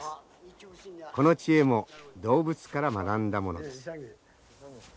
この知恵も動物から学んだものです。